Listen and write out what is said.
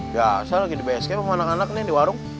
gak saya lagi di bsk sama anak anak ini di warung